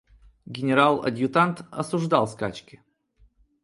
Генерал-адъютант осуждал скачки.